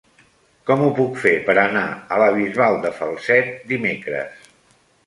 Com ho puc fer per anar a la Bisbal de Falset dimecres?